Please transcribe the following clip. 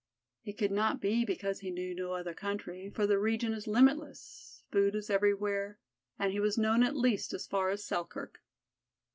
It could not be because he knew no other country, for the region is limitless, food is everywhere, and he was known at least as far as Selkirk.